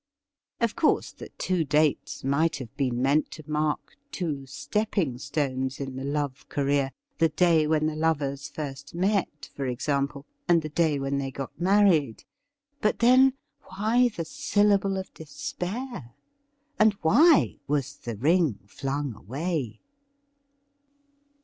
Of course the two dates might have been meant to mark two stepping stones in the love career — ^the day when the lovers first met, for example, and the day when they got married. But, then, why the syllable of despair ? And why was the ring flung away